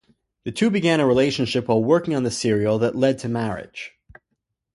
The two began a relationship while working on the serial that led to marriage.